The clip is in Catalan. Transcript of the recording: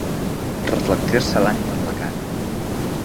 Reflectir-se l'ànima en la cara.